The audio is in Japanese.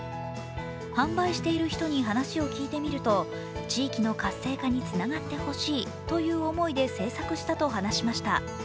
販売している人に話を聞いてみると地域の活性化につながってほしいという思いで制作したと話しました。